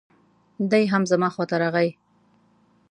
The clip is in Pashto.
دی هم زما خواته راغی.